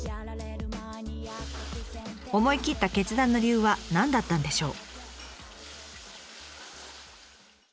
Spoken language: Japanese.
思い切った決断の理由は何だったんでしょう？